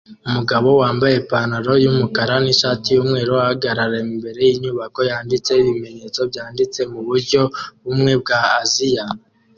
Umugabo wambaye ipantaro yumukara nishati yumweru ahagarara imbere yinyubako yanditseho ibimenyetso byanditse muburyo bumwe bwa Aziya